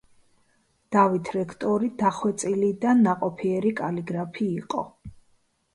დავით რექტორი დახვეწილი და ნაყოფიერი კალიგრაფი იყო.